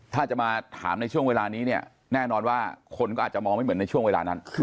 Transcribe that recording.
ถ้าจะมาถามในช่วงเวลานี้เนี่ยแน่นอนว่าคนก็อาจจะมองไม่เหมือนในช่วงเวลานั้น